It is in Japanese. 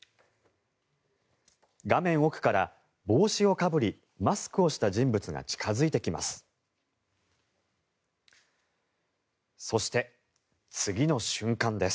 画面奥から、帽子をかぶりマスクをした人物が近付いてきます。